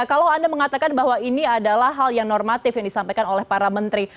kalau anda mengatakan bahwa ini adalah hal yang normatif yang disampaikan oleh para menteri